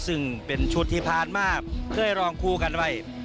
ซึ่งเป็นชุดที่ผ่านมาเคยรองคู่กันไว้